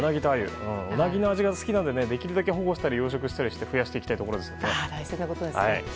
ウナギの味が好きなのでできるだけ保護したり養殖したりして増やしていきたいですね。